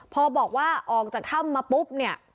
พอบอกว่าออกจากถ้ำมาปุ๊บ